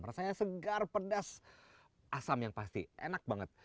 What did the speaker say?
rasanya segar pedas asam yang pasti enak banget